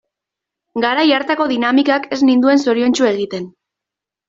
Garai hartako dinamikak ez ninduen zoriontsu egiten.